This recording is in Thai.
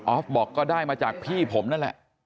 บอกก็ได้มาจากพี่ผมนั่นแหละ